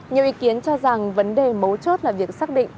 nhiều ý kiến cho rằng vấn đề mấu chốt là việc xác định